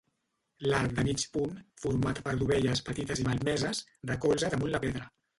L'arc de mig punt, format per dovelles petites i malmeses, recolza damunt la pedra.